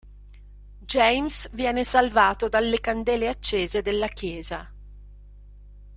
James viene salvato dalle candele accese della chiesa.